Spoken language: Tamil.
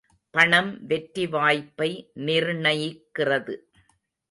பணம் வெற்றி வாய்ப்பை நிர்ணயிக்கிறது.